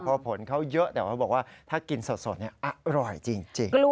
เพราะผลเขาเยอะแต่เขาบอกว่าถ้ากินสดอร่อยจริง